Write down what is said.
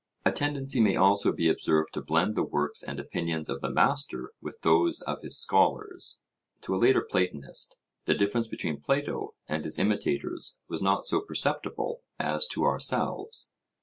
A tendency may also be observed to blend the works and opinions of the master with those of his scholars. To a later Platonist, the difference between Plato and his imitators was not so perceptible as to ourselves.